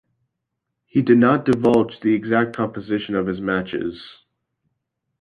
He did not divulge the exact composition of his matches.